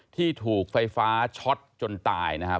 ที่ถูกไฟฟ้าช็อตจนตายนะครับ